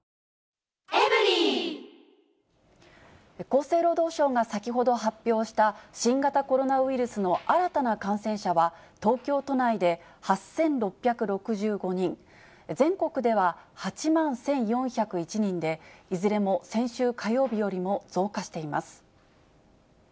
厚生労働省が先ほど発表した、新型コロナウイルスの新たな感染者は、東京都内で８６６５人、全国では８万１４０１人で、いずれも先週火曜日よりも増加しています。